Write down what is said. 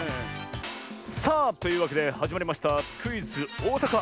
さあというわけではじまりましたクイズ「おおさか」。